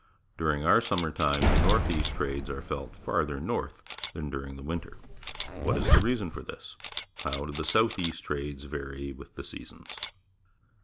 During our summer time the north east trades are felt farther north than during the winter. What is the reason for this? How do the south east trades vary with the seasons?